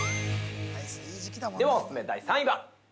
では、オススメ、第３位が。